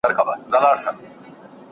د ښوونځیو د نظارت لپاره مسلکي ټیمونه نه وو.